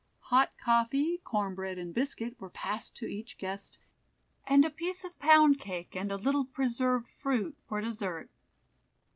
Hot coffee, corn bread and biscuit were passed to each guest, and a piece of pound cake and a little preserved fruit for dessert.